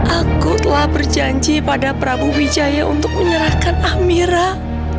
aku telah berjanji pada prabu wijaya untuk menyerahkan ahmirah